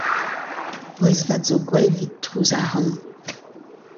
C’hwezh vat zo gwelloc’h evit trouz arc’hant.